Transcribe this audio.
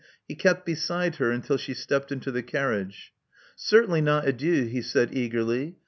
He kept beside her until she stepped into the carriage. Certainly not adieu," he said eagerly.